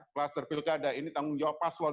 kluster pilkada ini tanggung jawab paslon